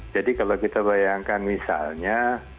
jadi kalau kita bayangkan misalnya